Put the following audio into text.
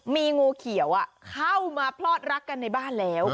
มีงูเขียวเข้ามาพลอดรักกันในบ้านแล้ว